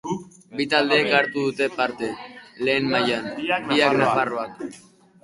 Bi taldek hartu dute parte Lehen Mailan, biak nafarrak.